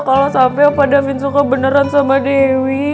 kalo sampe opa davin suka beneran sama dewi